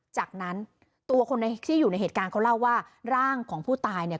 จากนั้นตัวคนที่อยู่ในเหตุการณ์เขาเล่าว่าร่างของผู้ตายเนี่ย